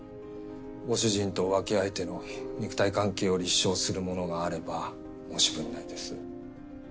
ご主人と浮気相手の肉体関係を立証するものがあれば申し分ないです。